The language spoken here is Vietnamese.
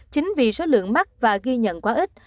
chính vì số lượng mắc và ghi nhận quá ít